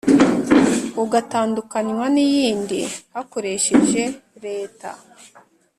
ugatandukanywa n iyindi hakoresheje leta